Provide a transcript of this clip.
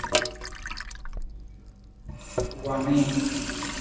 Wa nii.